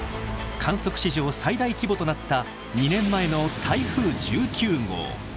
観測史上最大規模となった２年前の台風１９号。